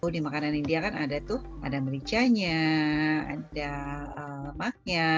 di makanan india kan ada tuh ada mericanya ada maknya